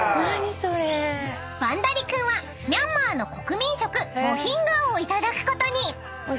［バンダリ君はミャンマーの国民食モヒンガーをいただくことに］